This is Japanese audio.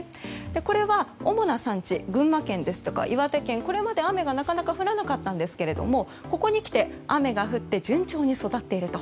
これは、主な産地群馬県や岩手県これまで雨がなかなか降らなかったんですけどもここに来て雨が降って順調に育っていると。